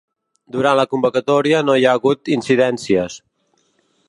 Durant la convocatòria no hi ha hagut incidències.